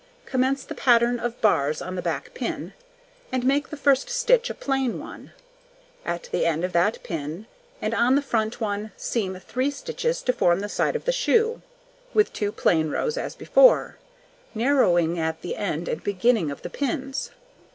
Commence the pattern or bars on the back pin, and make the 1st stitch a plain one, at the end of that pin, and on the front one seam 3 stitches to form the side of the shoe, with 2 plain rows as before, narrowing at the end and beginning of the pins.